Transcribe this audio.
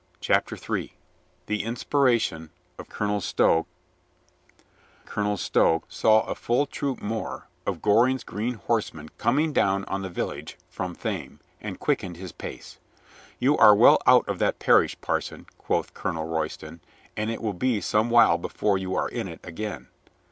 CHAPTER THREE THE INSPIRATION OF COLONEL STOW COLONEL STOW saw a full troop more of Goring's green horsemen coming down on the village from Thame, and quickened his pace. "You are well out of that parish, parson," quoth Colonel Royston, "and it will be some while before you are in it again."